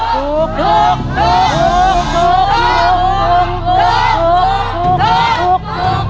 ถูก